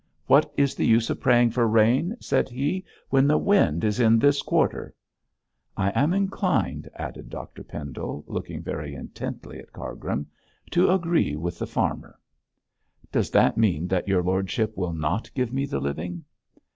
"What is the use of praying for rain," said he, "when the wind is in this quarter?" I am inclined,' added Dr Pendle, looking very intently at Cargrim, 'to agree with the farmer.' 'Does that mean that your lordship will not give me the living?'